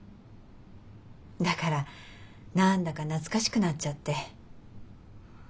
だから何だか懐かしくなっちゃって。